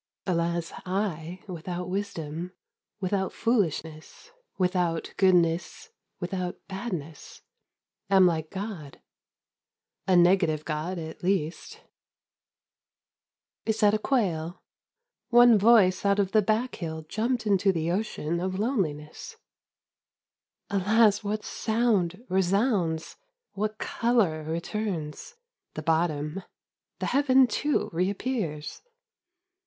Alas, I, without wisdom, without foolishness, without good ness, without badness, — am like God, a negative god at least ! Is that a quail ? One voice out of the back hill jumped into the ocean of loneliness. Alas, what sound resounds ; what colour returns ; the bottom, f Seas of Loneliness 7 I the heaven, too, reappears